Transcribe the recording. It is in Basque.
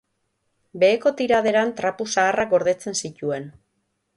Beheko tiraderan trapu zaharrak gordetzen zituen.